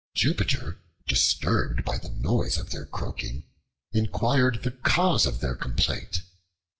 Jupiter, disturbed by the noise of their croaking, inquired the cause of their complaint.